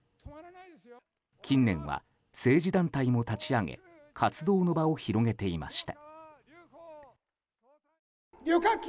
近年は政治団体も立ち上げ活動の場を広げていました。